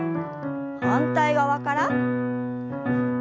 反対側から。